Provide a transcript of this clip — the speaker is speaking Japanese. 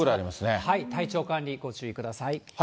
体調管理ご注意ください。